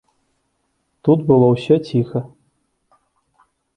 Тут было ўсё ціха.